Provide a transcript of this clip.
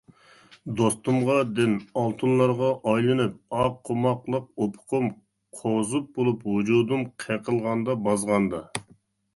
( «دوستۇمغا» دىن) ئالتۇنلارغا ئايلىنىپ، ئاق قۇماقلىق ئۇپۇقۇم، قوزۇق بولۇپ ۋۇجۇدۇم قېقىلغاندا بازغاندا.